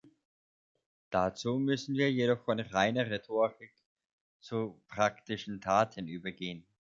Dazu müssen wir jedoch von reiner Rhetorik zu praktischen Taten übergehen.